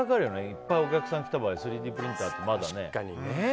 いっぱいお客さんが来た場合３Ｄプリンターってまだね。